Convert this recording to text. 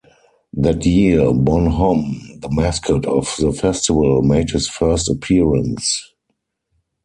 That year "Bonhomme", the mascot of the festival, made his first appearance.